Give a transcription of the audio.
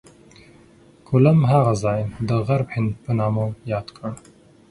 کولمب هغه ځای د غرب هند په نامه یاد کړ.